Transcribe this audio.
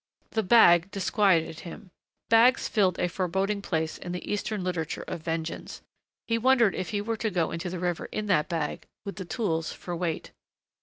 The bag disquieted him. Bags filled a foreboding place in the Eastern literature of vengeance. He wondered if he were to go into the river in that bag, with the tools for weight.